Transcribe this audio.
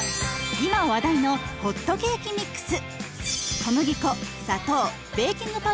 今話題のホットケーキミックス。